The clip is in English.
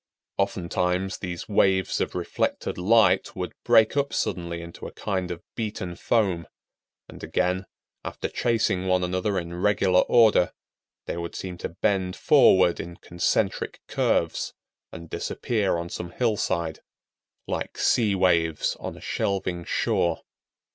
Oftentimes these waves of reflected light would break up suddenly into a kind of beaten foam, and again, after chasing one another in regular order, they would seem to bend forward in concentric curves, and disappear on some hillside, like sea waves on a shelving shore.